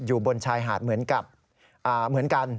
อยู่บนชายหาดเหมือนกัน